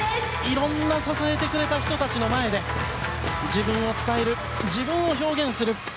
支えてくれた人たちの前で自分を伝える、自分を表現する。